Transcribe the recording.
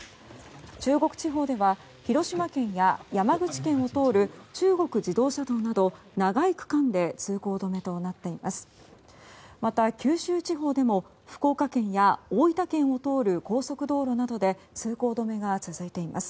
中国地方では広島県や山口県を通る中国自動車道など長い区間で通行止めとなっています。